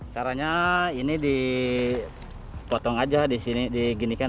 caranya ini dipotong aja disini diginikan